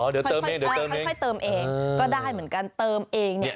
เดี๋ยวค่อยเติมเองก็ได้เหมือนกันเติมเองเนี่ย